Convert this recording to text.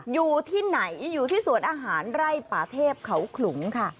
อยู่ที่ไหนอยู่ที่สวนอาหารไร่ป่าเทพเขาขลุงค่ะ